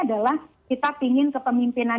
adalah kita ingin kepemimpinan